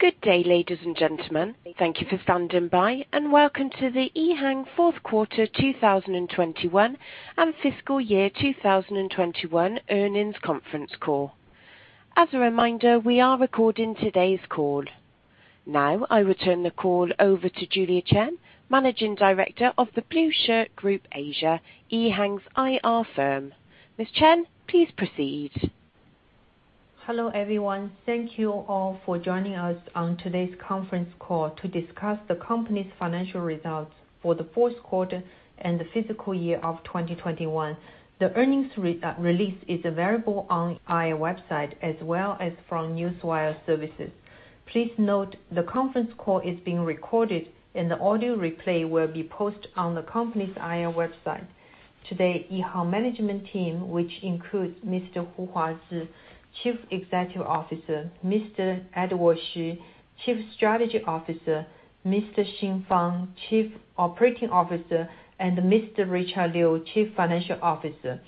Good day, ladies and gentlemen, thank you for standing by and welcome to the EHang fourth quarter 2021 and fiscal year 2021 earnings conference call. As a reminder, we are recording today's call. Now I return the call over to Julia Qian, Managing Director of The Blueshirt Group Asia, EHang's IR firm. Miss Qian, please proceed. Hello, everyone, thank you all for joining us on today's conference call to discuss the company's financial results for the fourth quarter and the fiscal year of 2021. The earnings re-release is available on our website as well as from newswire services. Please note the conference call is being recorded and the audio replay will be posted on the company's IR website. Today, EHang management team, which includes Mr. Huazhi Hu, Chief Executive Officer, Mr. Edward Xu, Chief Strategy Officer, Mr. Xin Fang, Chief Operating Officer, and Mr. Richard Liu, Chief Financial Officer,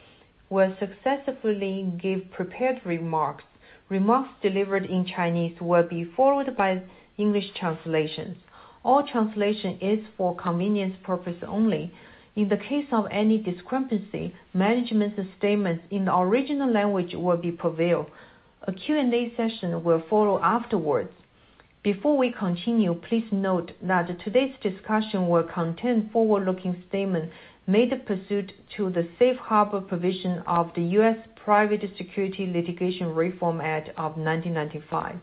will successively give prepared remarks. Remarks delivered in Chinese will be followed by English translations. All translation is for convenience purposes only. In the case of any discrepancy, management's statements in the original language will prevail. A Q&A session will follow afterwards. Before we continue, please note that today's discussion will contain forward-looking statements made pursuant to the Safe Harbor provisions of the Private Securities Litigation Reform Act of 1995.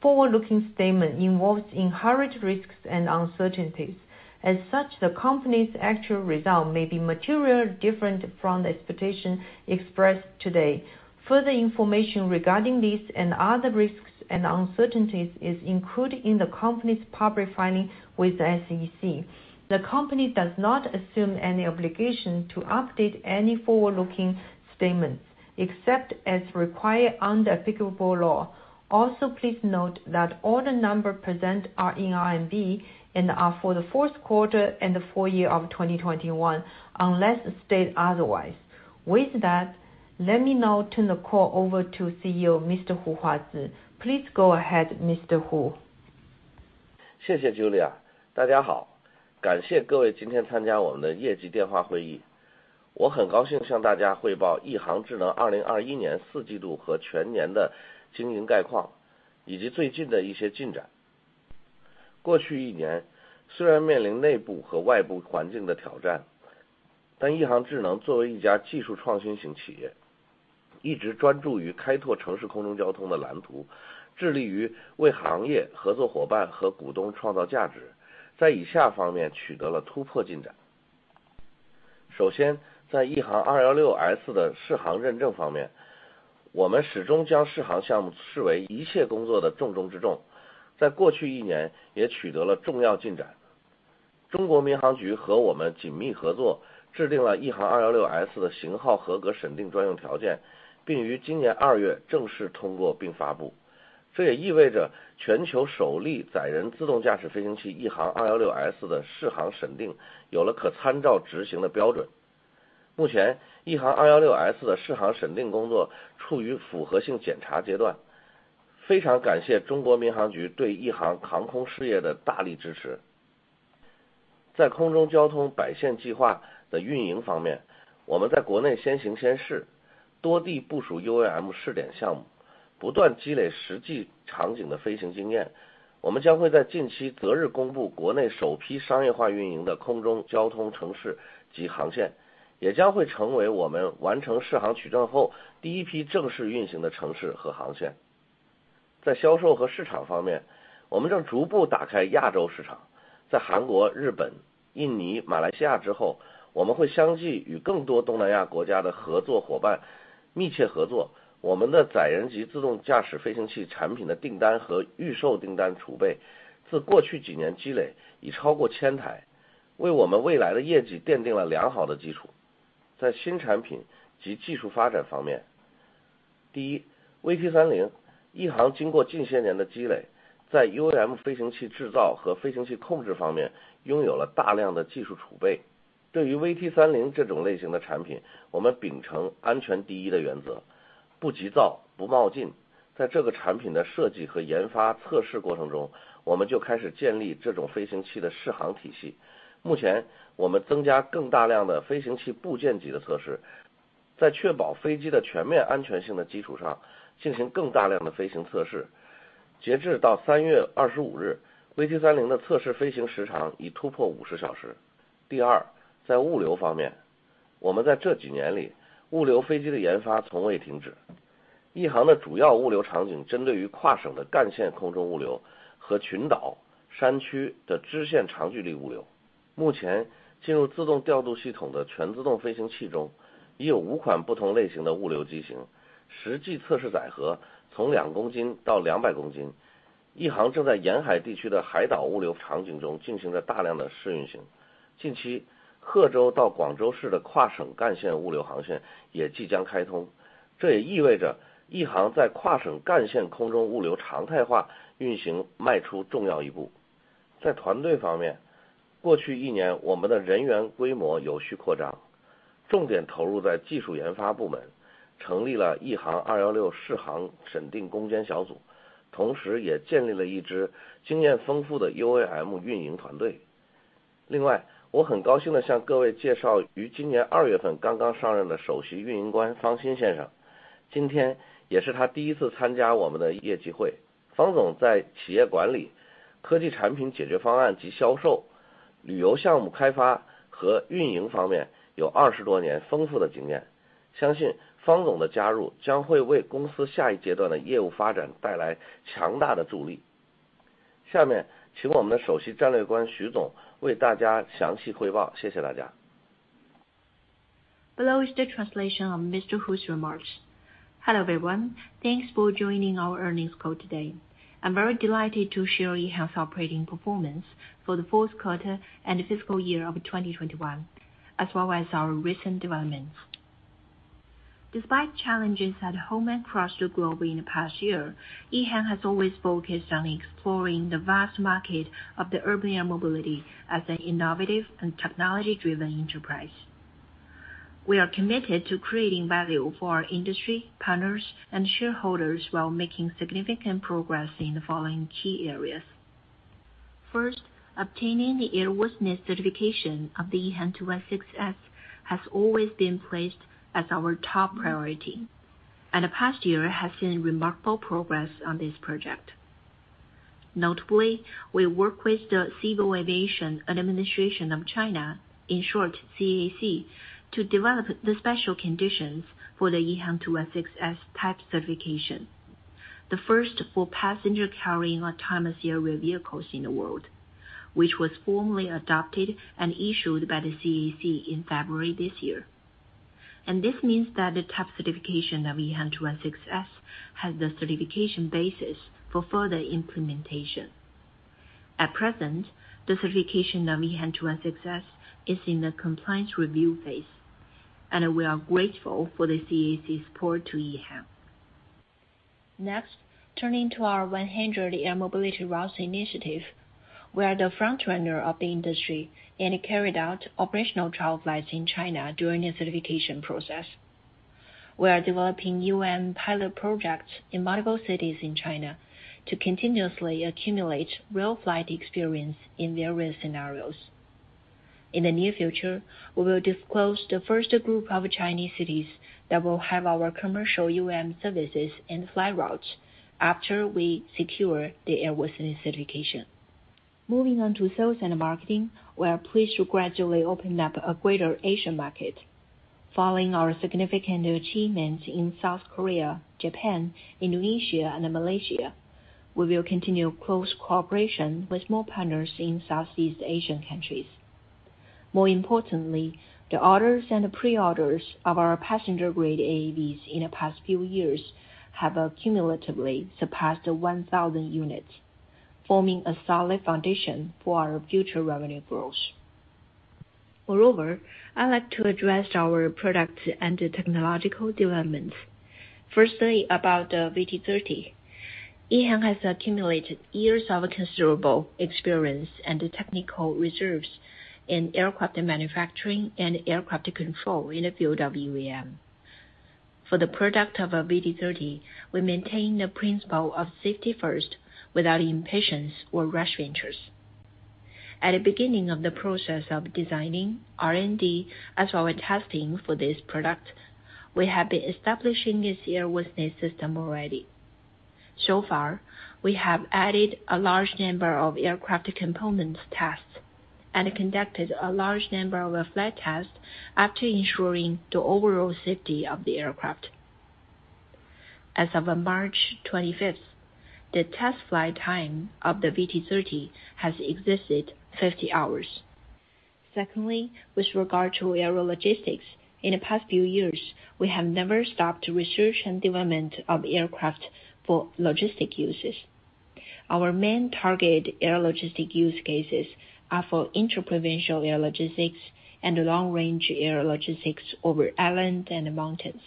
Forward-looking statements involve inherent risks and uncertainties. As such, the company's actual results may be materially different from the expectations expressed today. Further information regarding this and other risks and uncertainties is included in the company's public filings with the SEC. The company does not assume any obligation to update any forward-looking statements except as required under applicable law. Also, please note that all the numbers presented are in RMB and are for the fourth quarter and the full year of 2021, unless stated otherwise. With that, let me now turn the call over to CEO Mr. Huazhi Hu. Please go ahead, Mr. Hu. Below is the translation of Mr. Hu's remarks. Hello, everyone. Thanks for joining our earnings call today. I'm very delighted to share EHang's operating performance for the fourth quarter and fiscal year of 2021, as well as our recent developments. Despite challenges at home and across the globe in the past year, EHang has always focused on exploring the vast market of the urban air mobility as an innovative and technology driven enterprise. We are committed to creating value for our industry partners and shareholders while making significant progress in the following key areas. First, obtaining the airworthiness certification of the EH216-S has always been placed as our top priority, and the past year has seen remarkable progress on this project. Notably, we work with the Civil Aviation Administration of China, in short, CAAC, to develop the special conditions for the EHang 216-S type certification, the first for passenger carrying autonomous aerial vehicles in the world, which was formally adopted and issued by the CAAC in February this year. This means that the type certification of EHang 216-S has the certification basis for further implementation. At present, the certification of EHang 216-S is in the compliance review phase, and we are grateful for the CAAC's support to EHang. Next, turning to our 100 Air Mobility Routes Initiative. We are the frontrunner of the industry and carried out operational trial flights in China during the certification process. We are developing UAM pilot projects in multiple cities in China to continuously accumulate real flight experience in various scenarios. In the near future, we will disclose the first group of Chinese cities that will have our commercial UAM services and flight routes after we secure the airworthiness certification. Moving on to sales and marketing. We are pleased to gradually open up a greater Asian market. Following our significant achievements in South Korea, Japan, Indonesia, and Malaysia, we will continue close cooperation with more partners in Southeast Asian countries. More importantly, the orders and pre-orders of our passenger grade AAVs in the past few years have cumulatively surpassed 1,000 units, forming a solid foundation for our future revenue growth. Moreover, I'd like to address our products and technological developments. Firstly, about the VT-30. EHang has accumulated years of considerable experience and technical reserves in aircraft manufacturing and aircraft control in the field of UAM. For the product of a VT-30, we maintain the principle of safety first without impatience or rash ventures. At the beginning of the process of designing R&D as well as testing for this product, we have been establishing its airworthiness system already. So far, we have added a large number of aircraft components tests and conducted a large number of flight tests after ensuring the overall safety of the aircraft. As of March twenty-fifth, the test flight time of the VT-30 has exceeded 50 hours. Secondly, with regard to aero logistics, in the past few years, we have never stopped research and development of aircraft for logistic uses. Our main target air logistic use cases are for inter-provincial air logistics and long range air logistics over island and mountains.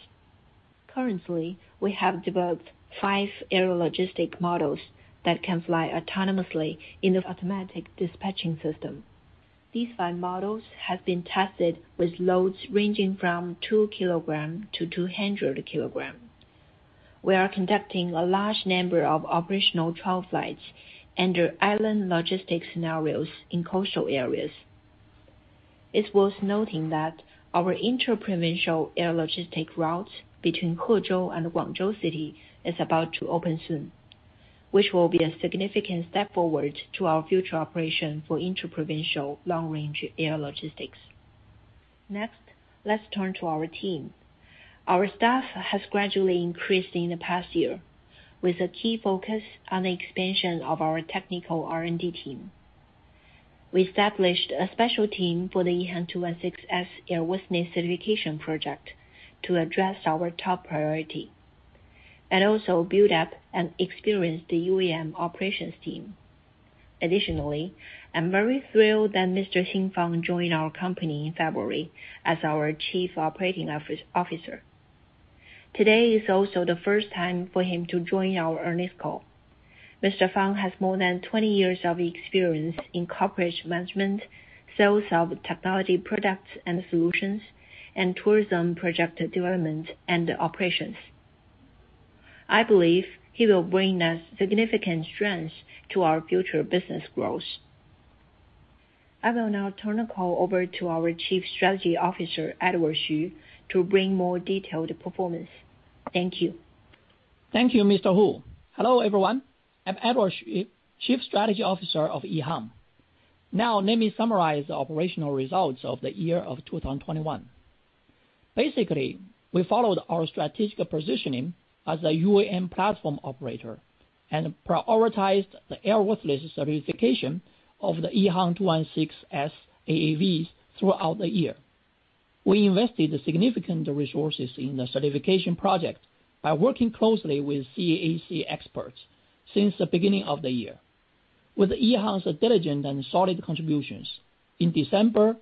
Currently, we have developed 5 aero logistic models that can fly autonomously in the automatic dispatching system. These five models have been tested with loads ranging from 2 kg to 200 kg. We are conducting a large number of operational trial flights under island logistics scenarios in coastal areas. It's worth noting that our inter-provincial air logistics routes between Hezhou and Guangzhou is about to open soon, which will be a significant step forward to our future operation for inter-provincial long range air logistics. Next, let's turn to our team. Our staff has gradually increased in the past year with a key focus on the expansion of our technical R&D team. We established a special team for the EHang 216-S airworthiness certification project to address our top priority and also build up and experience the UAM operations team. Additionally, I'm very thrilled that Mr. Xin Fang joined our company in February as our Chief Operating Officer. Today is also the first time for him to join our earnings call. Mr. Fang has more than 20 years of experience in corporate management, sales of technology products and solutions, and tourism project development and operations. I believe he will bring us significant strengths to our future business growth. I will now turn the call over to our Chief Strategy Officer, Edward Xu, to bring more detailed performance. Thank you. Thank you, Mr. Hu. Hello, everyone. I'm Edward Xu, Chief Strategy Officer of EHang. Now let me summarize the operational results of the year 2021. Basically, we followed our strategic positioning as a UAM platform operator and prioritized the airworthiness certification of the EH216-S AAVs throughout the year. We invested significant resources in the certification project by working closely with CAAC experts since the beginning of the year. With EHang's diligent and solid contributions, in December,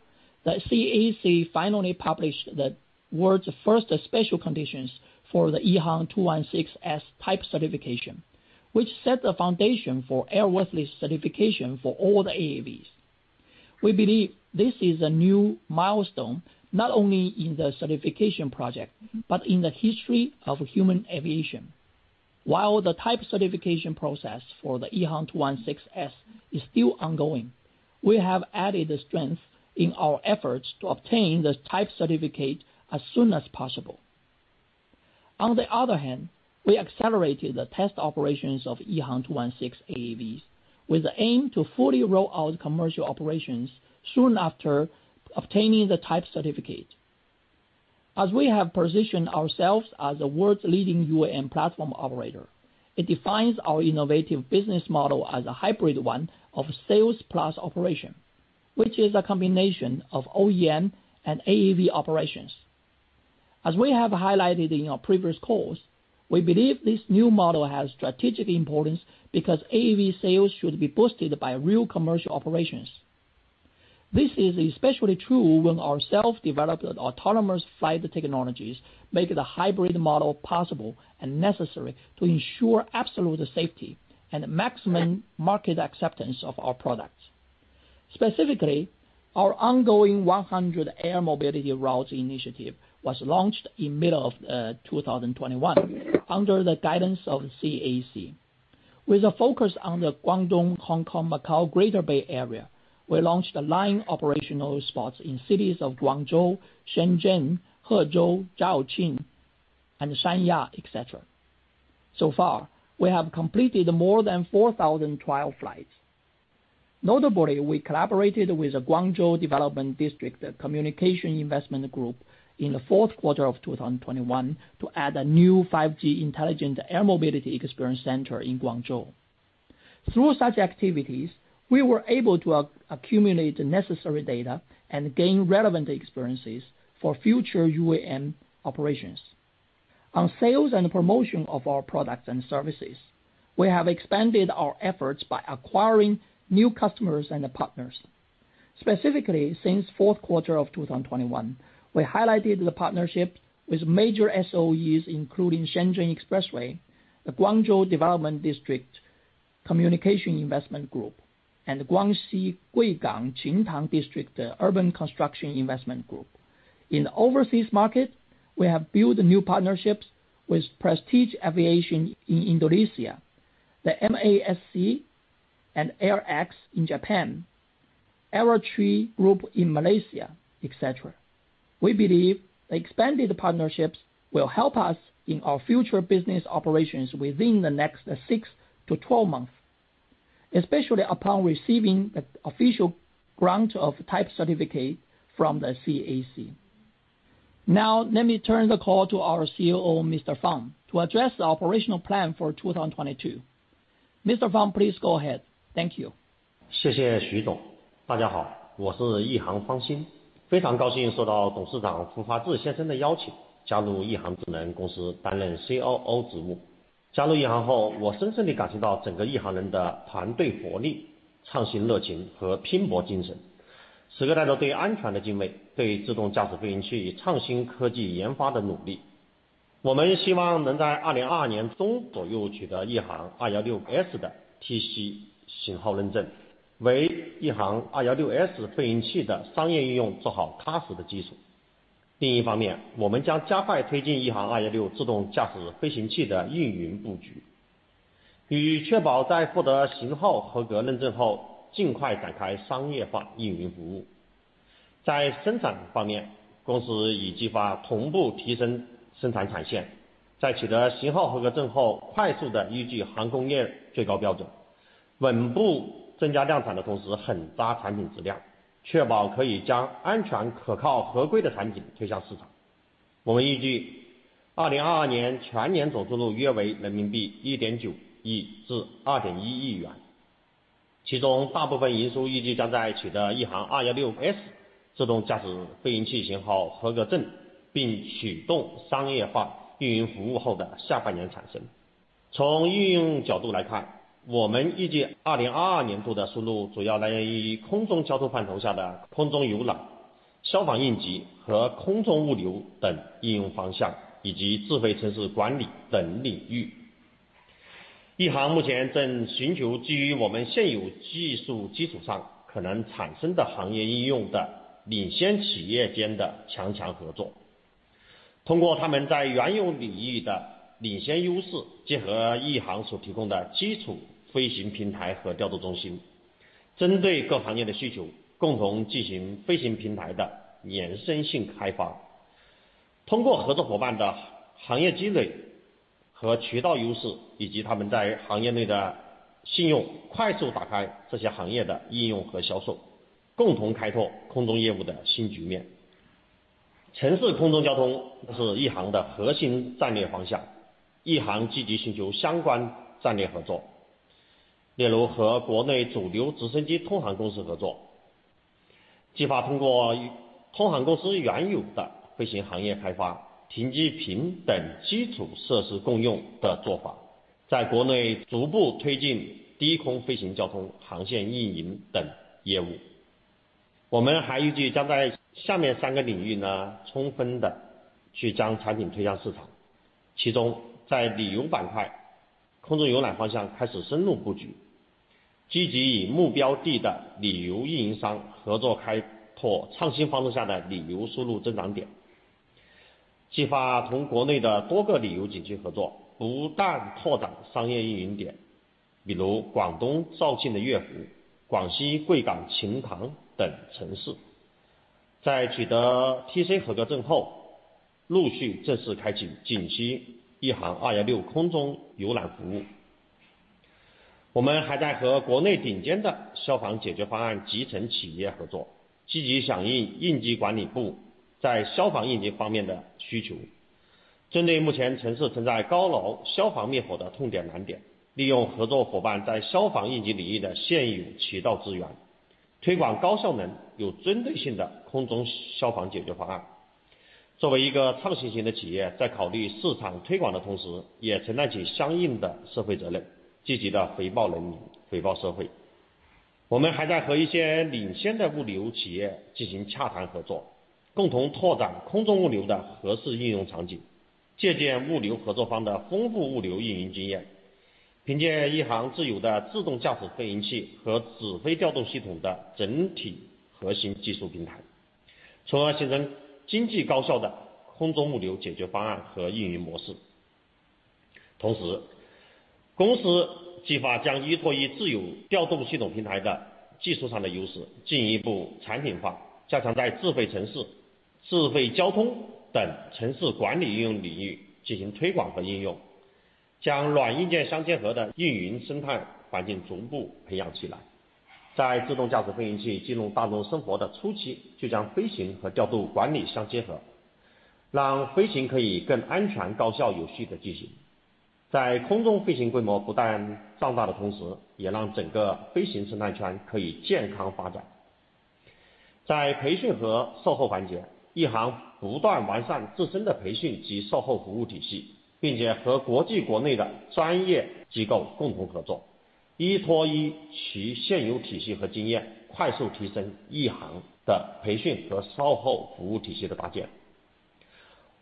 the CAAC finally published the world's first special conditions for the EH216-S type certification, which set the foundation for airworthiness certification for all the AAVs. We believe this is a new milestone not only in the certification project, but in the history of human aviation. While the type certification process for the EH216-S is still ongoing, we have added strength in our efforts to obtain the type certificate as soon as possible. On the other hand, we accelerated the test operations of EH216 AAVs with the aim to fully roll out commercial operations soon after obtaining the type certificate. As we have positioned ourselves as the world's leading UAM platform operator, it defines our innovative business model as a hybrid one of sales plus operation, which is a combination of OEM and AAV operations. As we have highlighted in our previous calls, we believe this new model has strategic importance because AAV sales should be boosted by real commercial operations. This is especially true when our self-developed autonomous flight technologies make the hybrid model possible and necessary to ensure absolute safety and maximum market acceptance of our products. Specifically, our ongoing 100 Air Mobility Routes Initiative was launched mid-2021 under the guidance of CAAC. With a focus on the Guangdong, Hong Kong, Macao Greater Bay Area, we launched 9 operational spots in cities of Guangzhou, Shenzhen, Hezhou, Zhaoqing, and Sanya, etc. So far, we have completed more than 4,000 trial flights. Notably, we collaborated with the Guangzhou Development District Communications Investment Group in the fourth quarter of 2021 to add a new 5G intelligent air mobility experience center in Guangzhou. Through such activities, we were able to accumulate the necessary data and gain relevant experiences for future UAM operations. On sales and promotion of our products and services, we have expanded our efforts by acquiring new customers and partners. Specifically, since fourth quarter of 2021, we highlighted the partnership with major SOEs including Shenzhen Expressway, the Guangzhou Development District Communications Investment Group, and Guangxi Guigang Qintang District Urban Construction Investment Group. In overseas market, we have built new partnerships with Prestige Aviation in Indonesia, the MASC and AirX in Japan, Aerotree Group in Malaysia, et cetera. We believe the expanded partnerships will help us in our future business operations within the next 6 to 12 months, especially upon receiving the official grant of type certificate from the CAAC. Now let me turn the call to our COO, Mr. Fang, to address the operational plan for 2022. Mr. Fang, please go ahead. Thank you.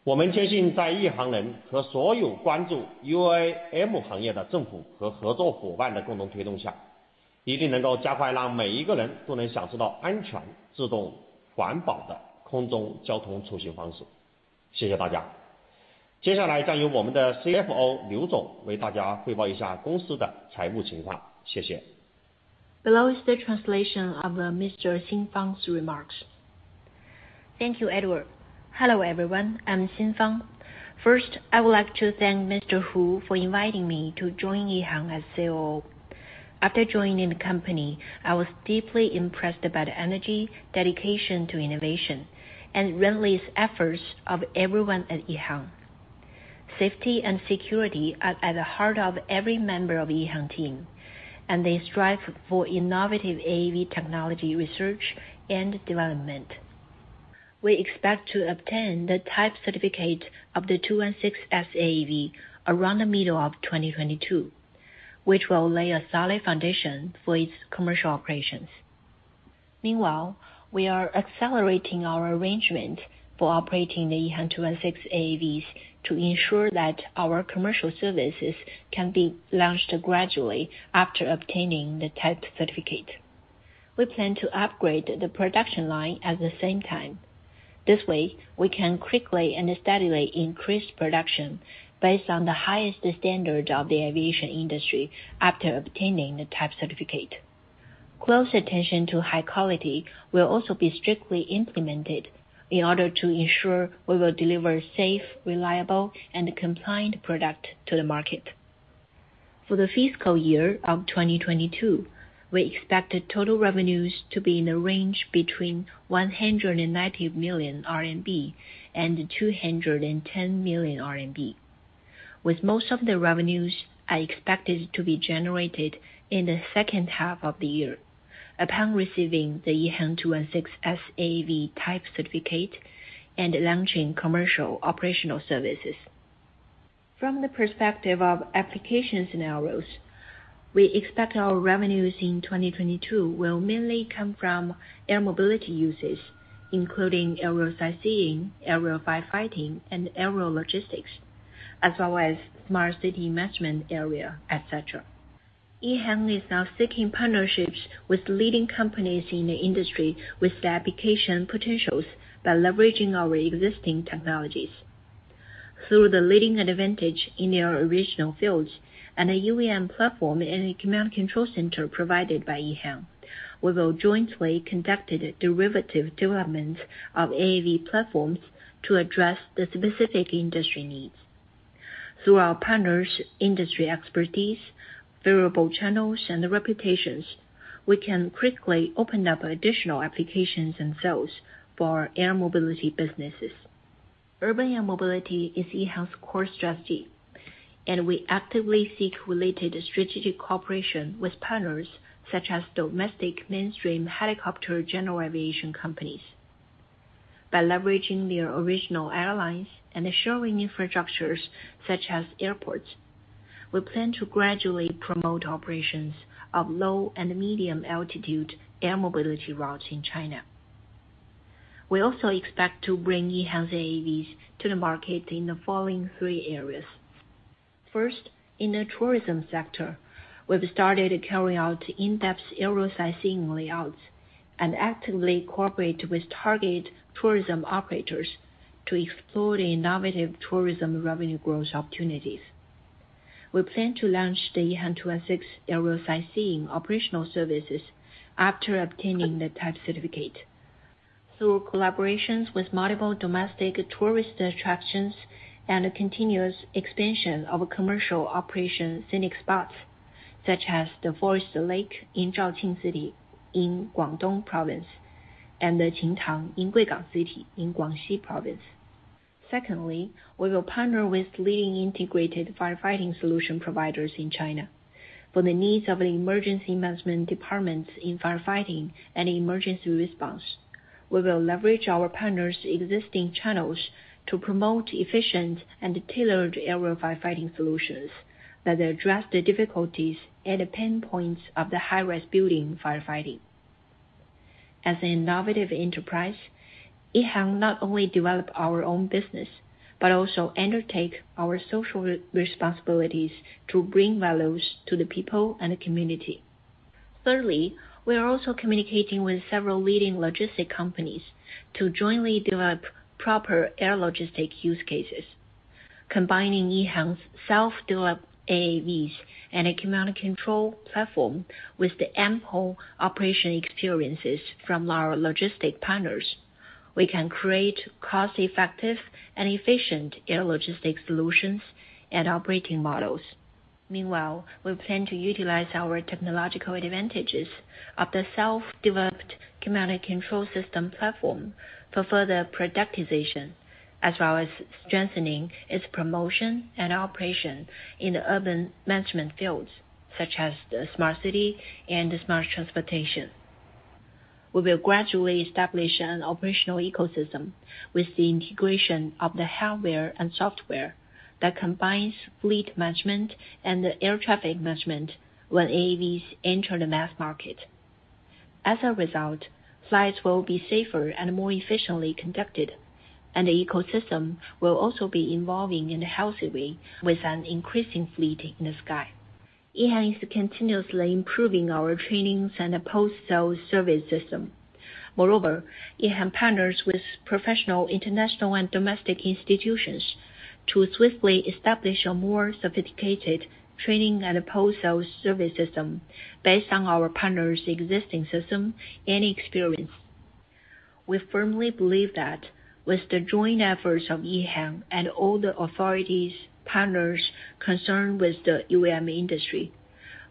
Below is the translation of Mr. Xin Fang's remarks. Thank you, Edward. Hello everyone, I'm Xin Fang. First I would like to thank Mr. Hu for inviting me to join EHang as COO. After joining the company, I was deeply impressed by the energy, dedication to innovation and relentless efforts of everyone at EHang. Safety and security are at the heart of every member of EHang team, and they strive for innovative AAV technology, research and development. We expect to obtain the type certificate of the EH216-S AAV around the middle of 2022, which will lay a solid foundation for its commercial operations. Meanwhile, we are accelerating our arrangement for operating the EHang EH216 AAVs to ensure that our commercial services can be launched gradually after obtaining the type certificate. We plan to upgrade the production line at the same time. This way, we can quickly and steadily increase production based on the highest standard of the aviation industry after obtaining the type certificate. Close attention to high quality will also be strictly implemented in order to ensure we will deliver safe, reliable, and compliant product to the market. For the fiscal year of 2022, we expect total revenues to be in a range between 190 million RMB and 210 million RMB, with most of the revenues are expected to be generated in the second half of the year upon receiving the EHang EH216-S AAV type certificate and launching commercial operational services. From the perspective of application scenarios, we expect our revenues in 2022 will mainly come from air mobility uses, including aerial sightseeing, aerial firefighting, and aerial logistics, as well as smart city management area, et cetera. EHang is now seeking partnerships with leading companies in the industry with the application potentials by leveraging our existing technologies. Through the leading advantage in their original fields and a UAM platform and a command control center provided by EHang, we will jointly conduct a derivative development of AAV platforms to address the specific industry needs. Through our partners' industry expertise, various channels, and their reputations, we can quickly open up additional applications and sales for air mobility businesses. Urban Air Mobility is EHang's core strategy, and we actively seek related strategic cooperation with partners such as domestic mainstream helicopter general aviation companies. By leveraging their original airlines and existing infrastructures such as airports, we plan to gradually promote operations of low and medium altitude air mobility routes in China. We also expect to bring EHang's AAVs to the market in the following three areas. First, in the tourism sector, we've started carrying out in-depth aerial sightseeing layouts and actively cooperate with target tourism operators to explore the innovative tourism revenue growth opportunities. We plan to launch the EH216 aerial sightseeing operational services after obtaining the type certificate through collaborations with multiple domestic tourist attractions and a continuous expansion of commercial operation scenic spots, such as the Dinghu in Zhaoqing City in Guangdong Province, and the Qintang in Guigang City in Guangxi Province. Secondly, we will partner with leading integrated firefighting solution providers in China for the needs of the emergency management departments in firefighting and emergency response. We will leverage our partners' existing channels to promote efficient and tailored aerial firefighting solutions that address the difficulties at the pain points of the high-rise building firefighting. As an innovative enterprise, EHang not only develops our own business, but also undertakes our social responsibilities to bring value to the people and the community. Thirdly, we are also communicating with several leading logistics companies to jointly develop proper air logistics use cases. Combining EHang's self-developed AAVs and a command-and-control platform with the ample operation experiences from our logistics partners, we can create cost-effective and efficient air logistics solutions and operating models. Meanwhile, we plan to utilize our technological advantages of the self-developed command and control system platform for further productization, as well as strengthening its promotion and operation in the urban management fields, such as the smart city and the smart transportation. We will gradually establish an operational ecosystem with the integration of the hardware and software that combines fleet management and the air traffic management when AAVs enter the mass market. As a result, flights will be safer and more efficiently conducted, and the ecosystem will also be evolving in a healthy way with an increasing fleet in the sky. EHang is continuously improving our trainings and the post-sale service system. Moreover, EHang partners with professional, international, and domestic institutions to swiftly establish a more sophisticated training and a post-sale service system based on our partners' existing system and experience. We firmly believe that with the joint efforts of EHang and all the authorities, partners concerned with the UAM industry,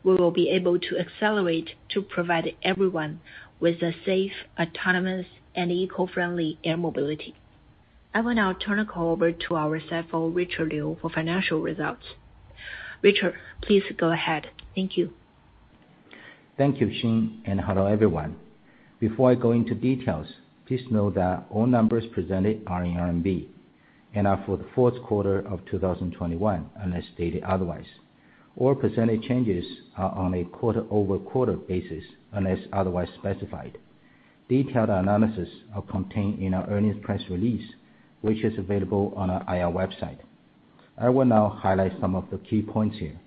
we will be able to accelerate to provide everyone with a safe, autonomous, and eco-friendly air mobility. I will now turn the call over to our CFO, Richard Liu, for financial results. Richard, please go ahead. Thank you. Thank you, Xin, and hello, everyone. Before I go into details, please know that all numbers presented are in RMB and are for the fourth quarter of 2021, unless stated otherwise. All percentage changes are on a quarter-over-quarter basis, unless otherwise specified. Detailed analysis are contained in our earnings press release, which is available on our IR website. I will now highlight some of the key points here.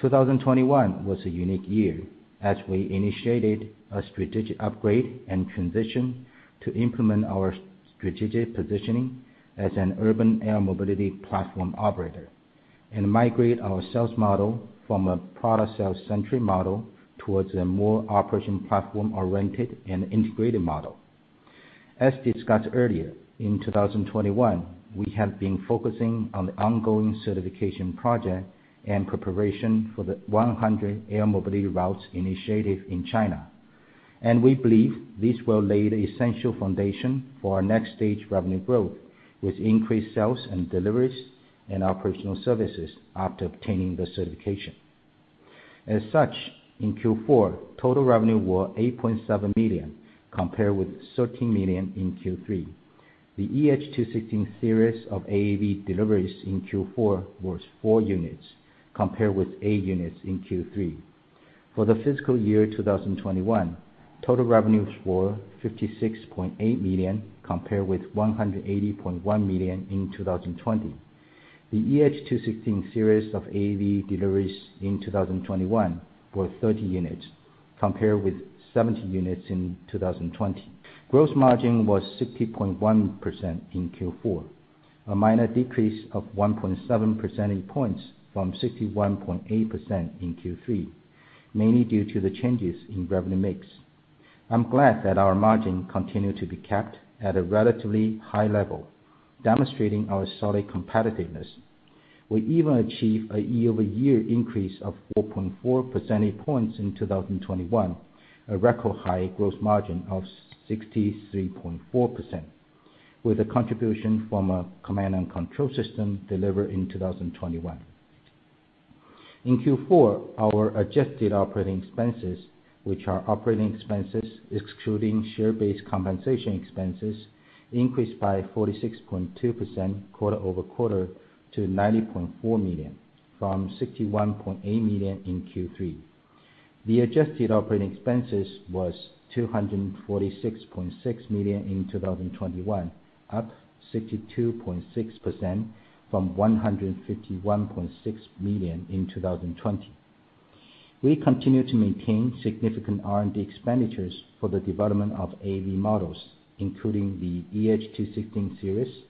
2021 was a unique year as we initiated a strategic upgrade and transition to implement our strategic positioning as an urban air mobility platform operator. Migrate our sales model from a product sales centric model towards a more operations platform oriented and integrated model. As discussed earlier, in 2021, we have been focusing on the ongoing certification project and preparation for the 100 Air Mobility Routes Initiative in China. We believe this will lay the essential foundation for our next stage revenue growth with increased sales and deliveries and operational services after obtaining the certification. As such, in Q4, total revenue were 8.7 million, compared with 13 million in Q3. The EH216 series of AAV deliveries in Q4 was 4 units, compared with 8 units in Q3. For the fiscal year 2021, total revenues were 56.8 million, compared with 180.1 million in 2020. The EH216 series of AAV deliveries in 2021 were 30 units, compared with 70 units in 2020. Gross margin was 60.1% in Q4, a minor decrease of 1.7 percentage points from 61.8% in Q3, mainly due to the changes in revenue mix. I'm glad that our margin continued to be kept at a relatively high level, demonstrating our solid competitiveness. We even achieved a year-over-year increase of 4.4 percentage points in 2021, a record high gross margin of 63.4%, with a contribution from a command-and-control system delivered in 2021. In Q4, our adjusted operating expenses, which are operating expenses excluding share-based compensation expenses, increased by 46.2% quarter-over-quarter to 90.4 million, from 61.8 million in Q3. The adjusted operating expenses was 246.6 million in 2021, up 62.6% from 151.6 million in 2020. We continue to maintain significant R&D expenditures for the development of AAV models, including the EH216 series,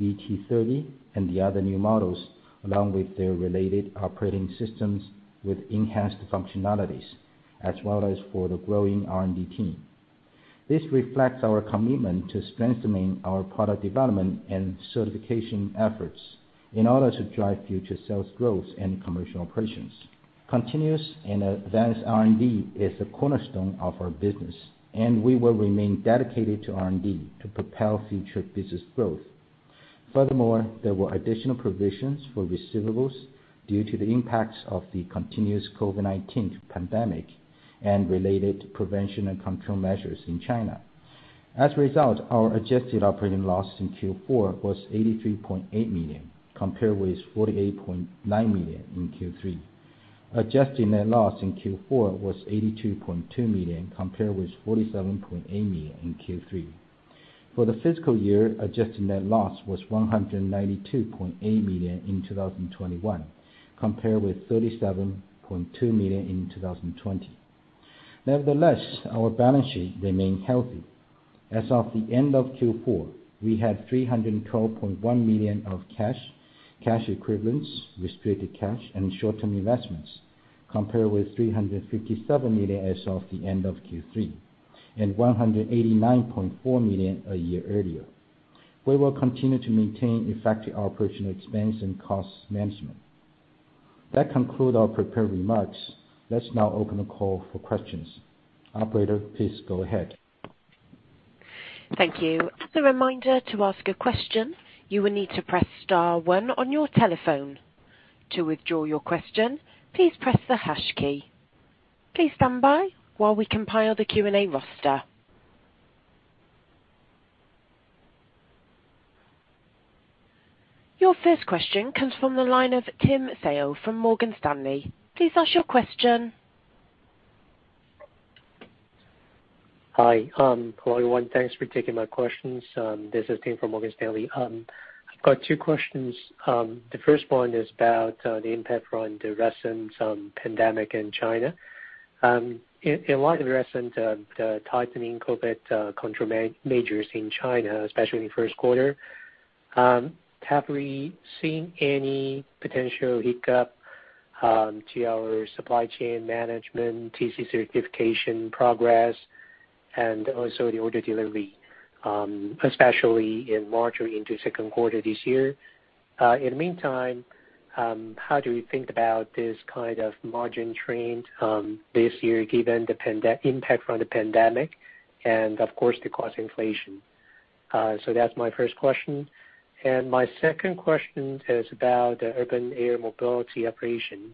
VT30, and the other new models, along with their related operating systems with enhanced functionalities, as well as for the growing R&D team. This reflects our commitment to strengthening our product development and certification efforts in order to drive future sales growth and commercial operations. Continuous and advanced R&D is the cornerstone of our business, and we will remain dedicated to R&D to propel future business growth. Furthermore, there were additional provisions for receivables due to the impacts of the continuous COVID-19 pandemic and related prevention and control measures in China. As a result, our adjusted operating loss in Q4 was 83.8 million, compared with 48.9 million in Q3. Adjusted net loss in Q4 was 82.2 million, compared with 47.8 million in Q3. For the fiscal year, adjusted net loss was 192.8 million in 2021, compared with 37.2 million in 2020. Nevertheless, our balance sheet remained healthy. As of the end of Q4, we had 312.1 million of cash equivalents, restricted cash, and short-term investments, compared with 357 million as of the end of Q3 and 189.4 million a year earlier. We will continue to maintain effective operational expense and cost management. That concludes our prepared remarks. Let's now open the call for questions. Operator, please go ahead. Thank you. As a reminder, to ask a question, you will need to press star one on your telephone. To withdraw your question, please press the hash key. Please stand by while we compile the Q&A roster. Your first question comes from the line of Tim Hsiao from Morgan Stanley. Please ask your question. Hi, hello, everyone. Thanks for taking my questions. This is Tim from Morgan Stanley. I've got two questions. The first one is about the impact from the recent pandemic in China. In light of the recent tightening COVID control measures in China, especially in the first quarter, have we seen any potential hiccup to our supply chain management, TC certification progress, and also the order delivery, especially in March or into second quarter this year? In the meantime, how do you think about this kind of margin trend this year given the impact from the pandemic and of course, the cost inflation? That's my first question. My second question is about the urban air mobility operation.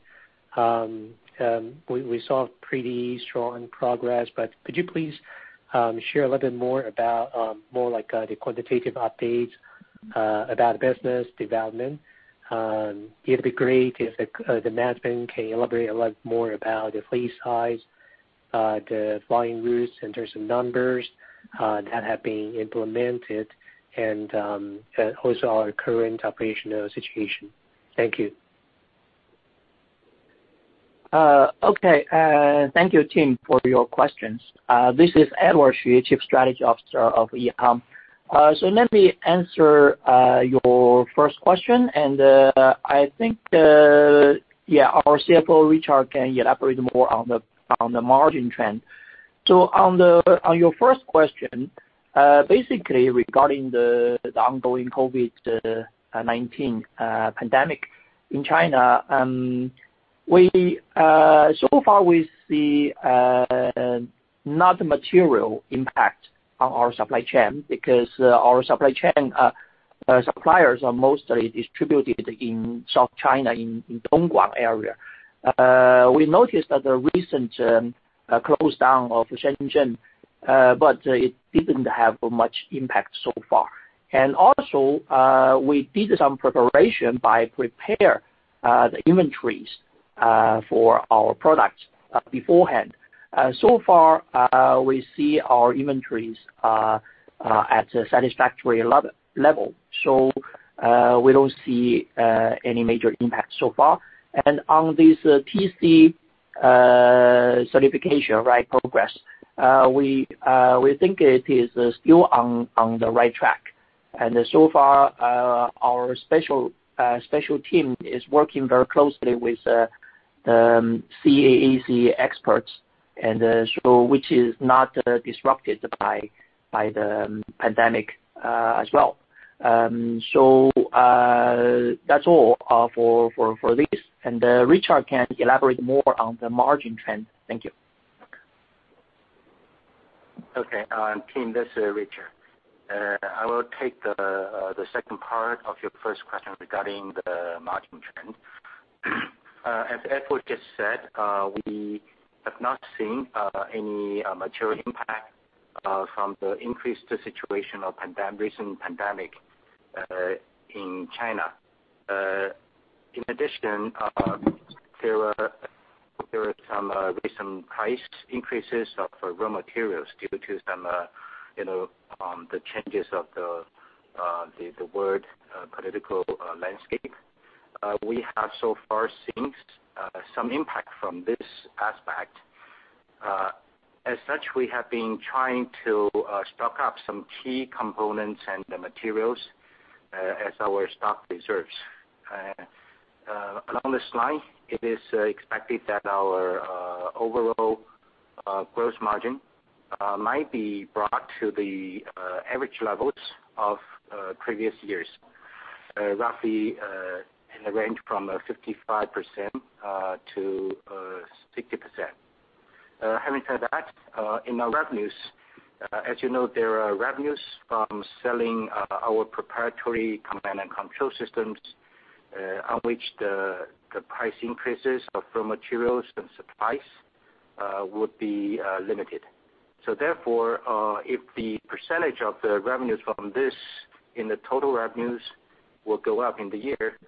We saw pretty strong progress, but could you please share a little bit more about more like the quantitative updates about business development? It'd be great if the management can elaborate a lot more about the fleet size, the flying routes in terms of numbers, that have been implemented and also our current operational situation. Thank you. Okay. Thank you, Tim, for your questions. This is Edward Xu, Chief Strategy Officer of EHang. Let me answer your first question, and I think, yeah, our CFO, Richard, can elaborate more on the margin trend. On your first question, basically regarding the ongoing COVID-19 pandemic in China, we so far see not a material impact on our supply chain because our supply chain. Suppliers are mostly distributed in South China, in Dongguan area. We noticed that the recent lockdown in Shenzhen, but it didn't have much impact so far. We did some preparation by preparing the inventories for our products beforehand. So far, we see our inventories are at a satisfactory level. We don't see any major impact so far. On this TC certification progress, we think it is still on the right track. So far, our special team is working very closely with CAAC experts, which is not disrupted by the pandemic as well. That's all for this. Richard can elaborate more on the margin trend. Thank you. Okay. Tim, this is Richard. I will take the second part of your first question regarding the margin trend. As Edward just said, we have not seen any material impact from the recent pandemic in China. In addition, there are some recent price increases of raw materials due to some you know the changes of the world political landscape. We have so far seen some impact from this aspect. As such, we have been trying to stock up some key components and the materials as our stock reserves. Along this line, it is expected that our overall gross margin might be brought to the average levels of previous years, roughly in the range from 55% to 60%. Having said that, in our revenues, as you know, there are revenues from selling our proprietary command and control systems, on which the price increases of raw materials and supplies would be limited. Therefore, if the percentage of the revenues from this in the total revenues will go up in the year,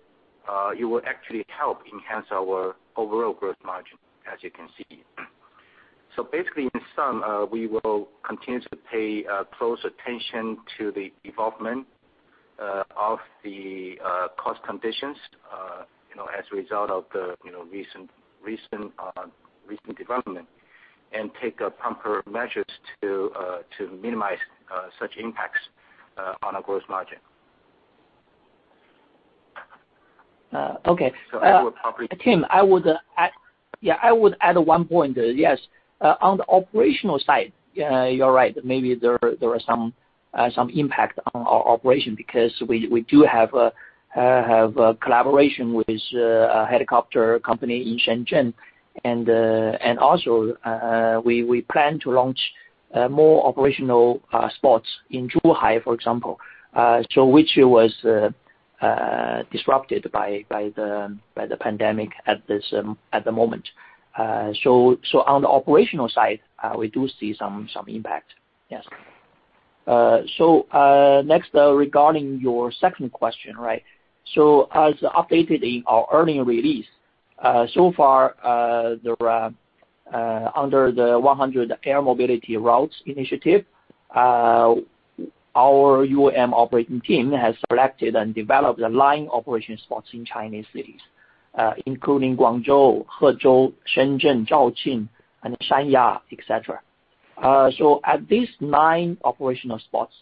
it will actually help enhance our overall gross margin, as you can see. Basically in sum, we will continue to pay close attention to the development of the cost conditions, you know, as a result of the, you know, recent development and take appropriate measures to minimize such impacts on our gross margin. Okay. I will probably. Tim, I would add one point. Yes. On the operational side, you're right. Maybe there are some impact on our operation because we do have a collaboration with a helicopter company in Shenzhen. Also, we plan to launch more operational spots in Zhuhai, for example, which was disrupted by the pandemic at this moment. On the operational side, we do see some impact. Yes. Next, regarding your second question, right? As updated in our earnings release, so far there are under the 100 Air Mobility Routes Initiative, our UAM operating team has selected and developed 9 operational spots in Chinese cities, including Guangzhou, Hezhou, Shenzhen, Zhaoqing, and Sanya, etc. At these 9 operational spots,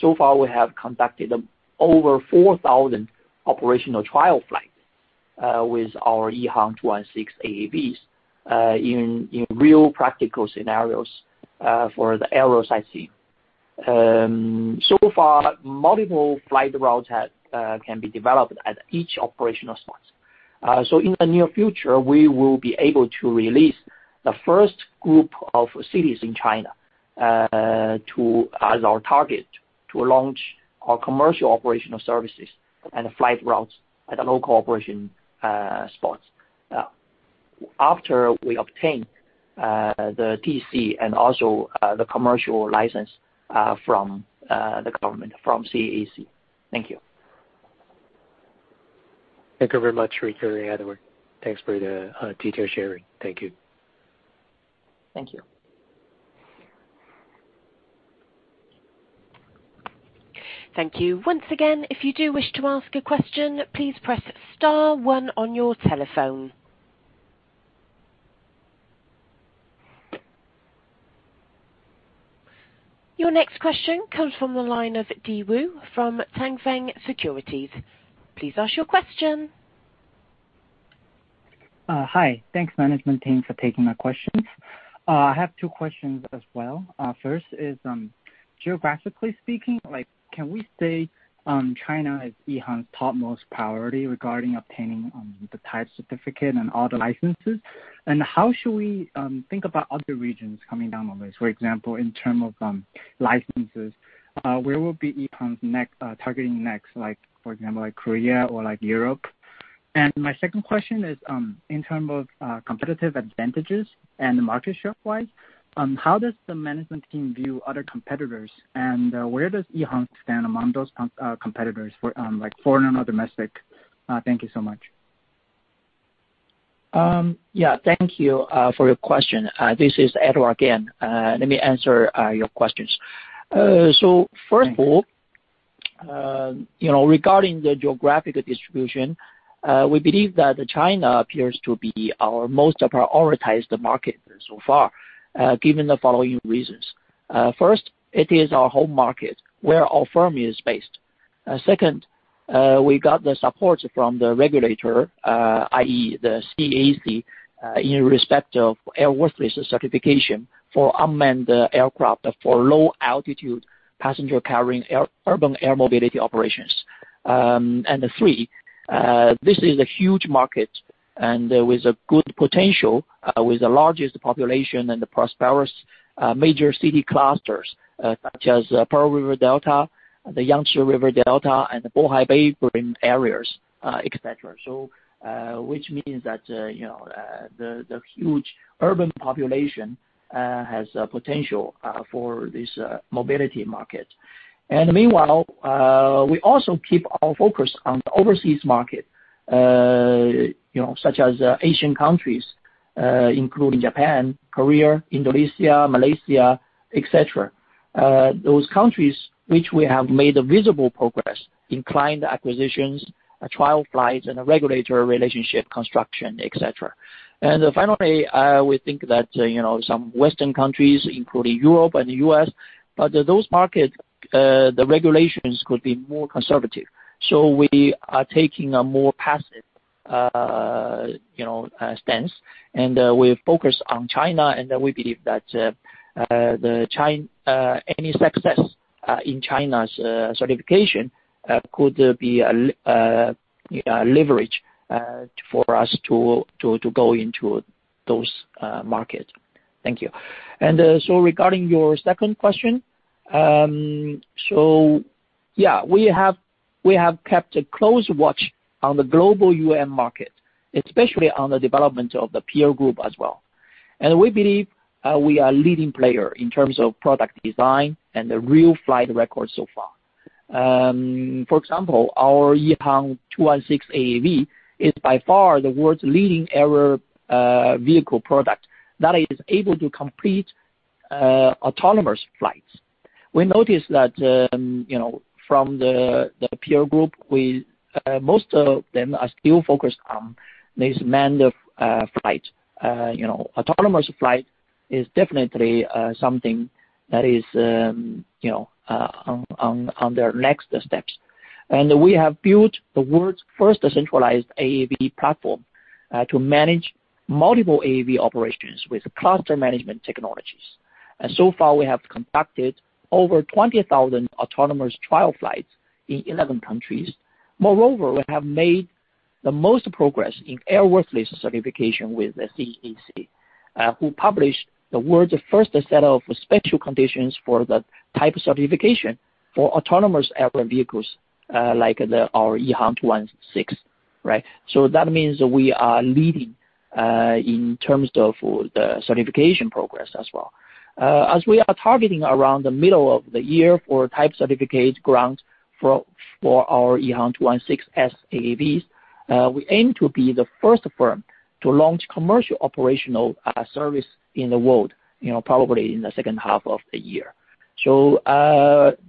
so far we have conducted over 4,000 operational trial flights with our EH216 AAVs in real practical scenarios for the airspace scene. So far, multiple flight routes can be developed at each operational spots. In the near future, we will be able to release the first group of cities in China to as our target to launch our commercial operational services and flight routes at the local operation spots after we obtain the TC and also the commercial license from the government from CAAC. Thank you. Thank you very much, Richard and Edward. Thanks for the detail sharing. Thank you. Thank you. Thank you. Once again, if you do wish to ask a question, please press star one on your telephone. Your next question comes from the line of De Lu from Tianfeng Securities. Please ask your question. Hi. Thanks management team for taking my questions. I have two questions as well. First is, geographically speaking, like, can we say, China is EHang's topmost priority regarding obtaining the type certificate and all the licenses? How should we think about other regions coming down on this? For example, in terms of licenses, where will EHang be targeting next, like for example, like Korea or like Europe? My second question is, in terms of competitive advantages and the market share-wise, how does the management team view other competitors, and where does EHang stand among those competitors for, like foreign or domestic? Thank you so much. Yeah. Thank you for your question. This is Edward Xu again. Let me answer your questions. First of all. Thanks. You know, regarding the geographic distribution, we believe that China appears to be our most prioritized market so far, given the following reasons. First, it is our home market where our firm is based. Second, we got the support from the regulator, i.e., the CAAC, in respect of airworthiness certification for unmanned aircraft for low-altitude passenger-carrying urban air mobility operations. Three, this is a huge market and with a good potential, with the largest population in the prosperous major city clusters, such as Pearl River Delta, the Yangtze River Delta and the Bohai Bay areas, et cetera. Which means that, you know, the huge urban population has a potential for this mobility market. Meanwhile, we also keep our focus on the overseas market, you know, such as Asian countries, including Japan, Korea, Indonesia, Malaysia, et cetera. Those countries which we have made visible progress in client acquisitions, trial flights and a regulatory relationship construction, et cetera. Finally, we think that, you know, some Western countries, including Europe and the U.S., but those markets, the regulations could be more conservative. We are taking a more passive, you know, stance. We are focused on China. We believe that any success in China's certification could be a leverage for us to go into those markets. Thank you. Regarding your second question, we have kept a close watch on the global UAM market, especially on the development of the peer group as well. We believe we are a leading player in terms of product design and the real flight record so far. For example, our EHang 216 AAV is by far the world's leading eVTOL vehicle product that is able to complete autonomous flights. We noticed that from the peer group, most of them are still focused on this manned flight. Autonomous flight is definitely something that is on their next steps. We have built the world's first decentralized AAV platform to manage multiple AAV operations with cluster management technologies. We have conducted over 20,000 autonomous trial flights in 11 countries. Moreover, we have made the most progress in airworthiness certification with the CAAC, who published the world's first set of special conditions for the type certification for autonomous air vehicles, like our EH216, right? That means we are leading in terms of the certification progress as well. As we are targeting around the middle of the year for type certificate grant for our EH216-S AAVs, we aim to be the first firm to launch commercial operational service in the world, you know, probably in the second half of the year.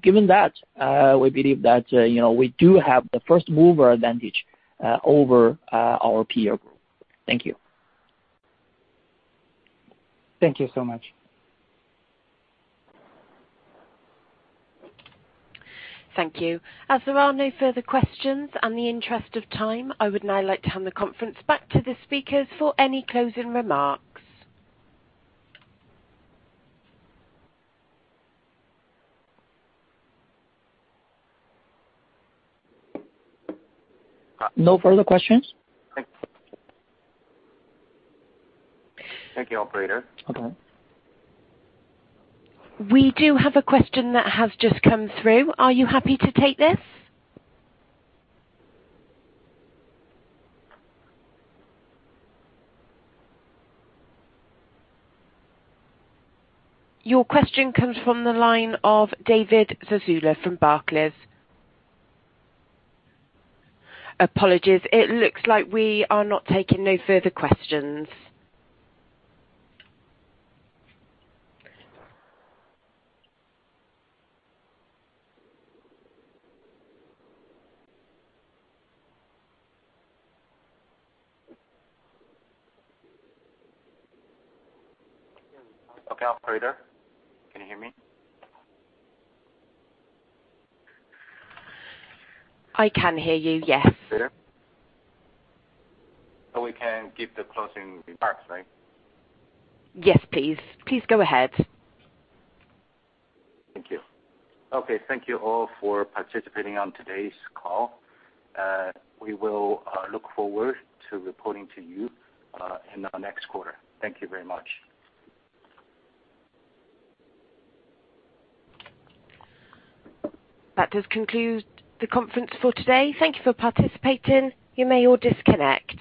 Given that, we believe that, you know, we do have the first mover advantage over our peer group. Thank you. Thank you so much. Thank you. As there are no further questions and in the interest of time, I would now like to hand the conference back to the speakers for any closing remarks. No further questions? Thank you, operator. Okay. We do have a question that has just come through. Are you happy to take this? Your question comes from the line of David Zazula from Barclays. Apologies. It looks like we are not taking no further questions. Okay, operator, can you hear me? I can hear you, yes. Okay. We can give the closing remarks, right? Yes, please. Please go ahead. Thank you. Okay. Thank you all for participating on today's call. We will look forward to reporting to you in the next quarter. Thank you very much. That does conclude the conference for today. Thank you for participating. You may all disconnect.